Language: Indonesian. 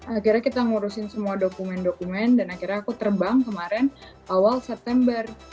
akhirnya kita ngurusin semua dokumen dokumen dan akhirnya aku terbang kemarin awal september